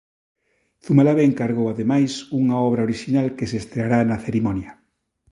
Zumalave encargou, ademais, unha obra orixinal que se estreará na cerimonia.